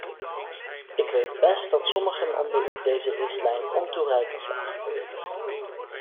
Ik weet best dat sommigen onder u deze richtlijn ontoereikend achten.